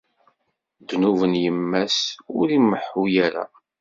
Ddnub n yemma-s ur imeḥḥu ara.